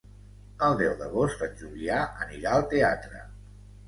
El deu d'agost en Julià anirà al teatre.